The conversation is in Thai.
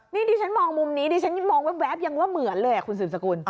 นี่ดิฉันมองมุมนี้ดิฉันมองแว๊บยังว่าเหมือนเลยคุณสืบสกุล